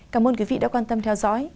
cảm ơn quý vị đã quan tâm theo dõi